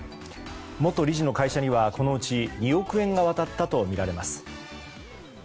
元理事の会社にはこのうち２億円が渡ったとみられます。